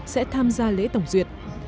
sẽ tham gia lễ tổng duyệt